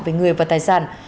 về người và tài sản